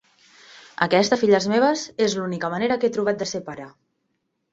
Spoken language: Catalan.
Aquesta, filles meves, és l'única manera que he trobat de ser pare.